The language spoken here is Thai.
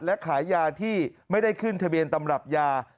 และขายยาที่ไม่ได้ขึ้นทะเบียนตำรับยา